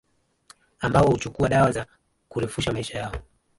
Ambao huchukua dawa za kurefusha maisha yao